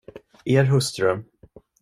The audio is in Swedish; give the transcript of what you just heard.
Er hustru...